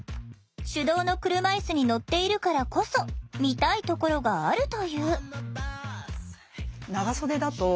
手動の車いすに乗っているからこそ見たいところがあるという。